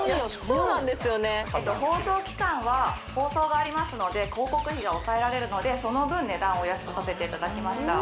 そうなんですよね放送期間は放送がありますので広告費が抑えられるのでその分値段をお安くさせていただきました